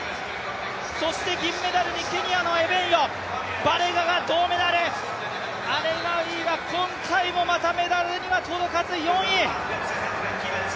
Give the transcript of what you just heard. そして銀メダルにケニアのエベンヨ、バレガが銅メダル、アレガウィは今回もまたメダルには届かず４位。